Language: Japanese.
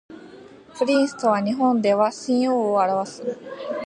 プリンスとは日本では親王を表す